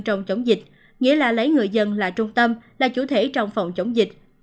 trong chống dịch nghĩa là lấy người dân là trung tâm là chủ thể trong phòng chống dịch